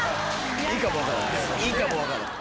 いいかも分からん。